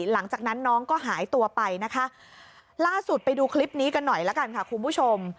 หลังจากนั้นน้องก็หายตัวไปนะคะล่าสุดไปดูคลิปนี้กันหน่อยละกันค่ะคุณผู้ชม